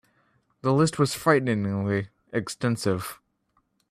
The list was frighteningly extensive.